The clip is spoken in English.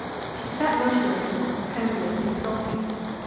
She sat motionless now trembling, exulting.